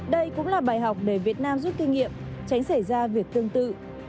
đây cũng là bài học để việt nam rút kinh nghiệm tránh xảy ra việc tương tự